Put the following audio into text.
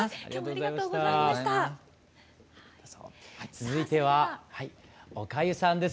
続いてはおかゆさんです。